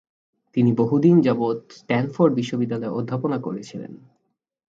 তিনি বহুদিন যাবৎ স্ট্যানফোর্ড বিশ্ববিদ্যালয়ে অধ্যাপনা করেছিলেন।